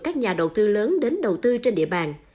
các nhà đầu tư lớn đến đầu tư trên địa bàn